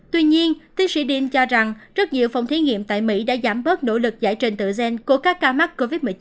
tuy nhiên tiến sĩ din cho rằng rất nhiều phòng thí nghiệm tại mỹ đã giảm bớt nỗ lực giải trình tự gen của các ca mắc covid một mươi chín